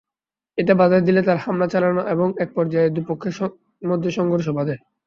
এতে বাধা দিলে তাঁরা হামলা চালান এবং একপর্যায়ে দুপক্ষের মধ্যে সংঘর্ষ বাধে।